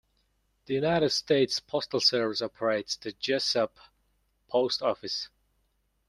The United States Postal Service operates the Jesup Post Office.